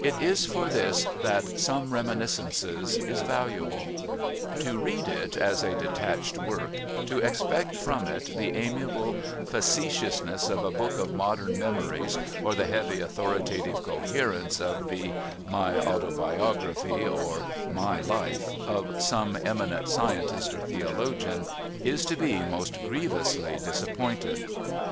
It is for this that Some Reminiscences is valuable. To read it as a detached work, to expect from it the amiable facetiousness of a book of modern memories or the heavy authoritative coherence of the My Autobiography or My Life of some eminent scientist or theologian, is to be most grievously disappointed.